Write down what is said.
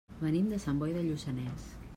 Venim de Sant Boi de Lluçanès.